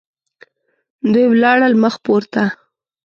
دوی ولاړل مخ پورته.